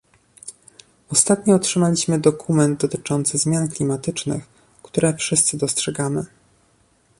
Ostatnio otrzymaliśmy dokument dotyczący zmian klimatycznych, które wszyscy dostrzegamy